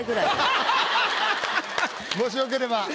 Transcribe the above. もしよければ。